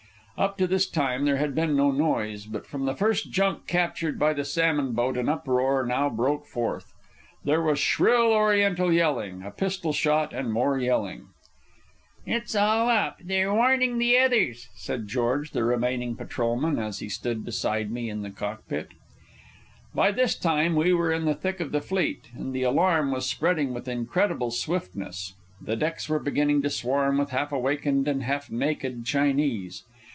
Up to this time there had been no noise, but from the first junk captured by the salmon boat an uproar now broke forth. There was shrill Oriental yelling, a pistol shot, and more yelling. "It's all up. They're warning the others," said George, the remaining patrolman, as he stood beside me in the cockpit. By this time we were in the thick of the fleet, and the alarm was spreading with incredible swiftness. The decks were beginning to swarm with half awakened and half naked Chinese.